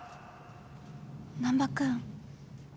難破君。